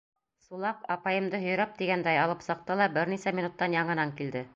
Сулаҡ апайымды һөйрәп тигәндәй алып сыҡты ла бер нисә минуттан яңынан килде.